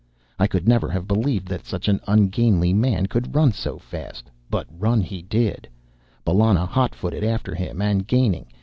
I could never have believed that such an ungainly man could run so fast. But run he did, Bellona hot footed after him, and gaining.